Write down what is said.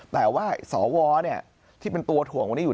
แต่ว่าสวที่เป็นตัวถ่วงวันนี้อยู่